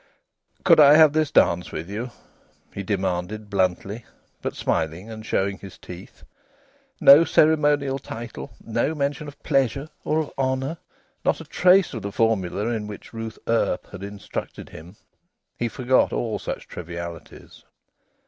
"Could I have this dance with you?" he demanded bluntly, but smiling and showing his teeth. No ceremonial title! No mention of "pleasure" or "honour." Not a trace of the formula in which Ruth Earp had instructed him! He forgot all such trivialities.